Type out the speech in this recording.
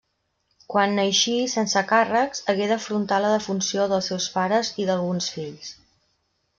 Quan n'eixí, sense càrrecs, hagué d'afrontar la defunció dels seus pares i d'alguns fills.